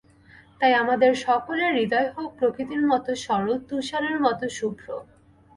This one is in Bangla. তাই আমাদের সকলের হৃদয় হোক, প্রকৃতির মতো সরল, তুষারের মতো শুভ্র।